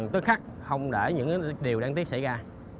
tối khắc không để những điều đáng tiếc xảy ra